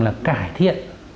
là cải thiện